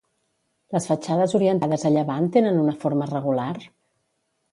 Les fatxades orientades a llevant tenen una forma regular?